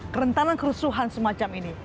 kerentanan kerusuhan semacam ini